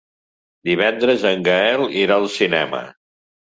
Divendres en Gaël irà al cinema.